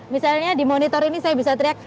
misalnya di monitor ini saya bisa teriak